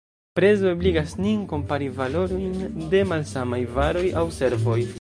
Prezo ebligas nin kompari valorojn de malsamaj varoj aŭ servoj.